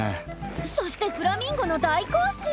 そしてフラミンゴの大行進！